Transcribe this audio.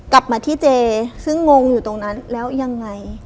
กลับมาที่เจซึ่งงงอยู่ตรงนั้นแล้วยังไง